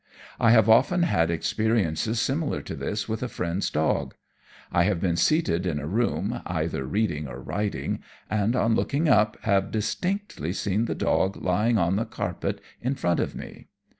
I have often had experiences similar to this with a friend's dog. I have been seated in a room, either reading or writing, and on looking up have distinctly seen the dog lying on the carpet in front of me.